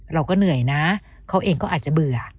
เราก็เหนื่อยนะเขาเองก็อาจจะเบื่อ